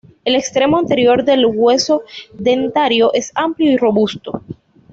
El extremo anterior del hueso dentario es amplio y robusto.